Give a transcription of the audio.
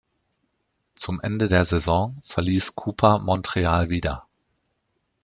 Zum Ende der Saison verließ Cooper Montreal wieder.